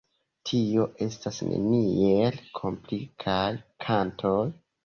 Tio estas neniel komplikaj kantoj.